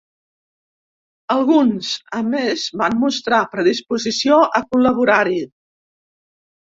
Alguns, amés, van mostrar predisposició a col·laborar-hi.